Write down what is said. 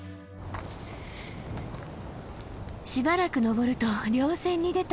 しばらく登ると稜線に出た。